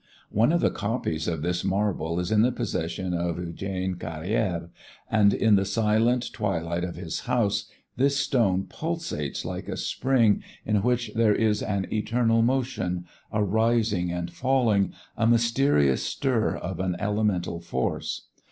One of the copies of this marble is in the possession of Eugène Carrière, and in the silent twilight of his house this stone pulsates like a spring in which there is an eternal motion, a rising and falling, a mysterious stir of an elemental force.